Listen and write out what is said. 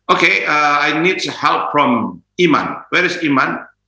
oke saya butuh bantuan dari iman